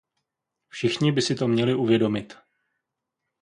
Všichni by si to měli uvědomit.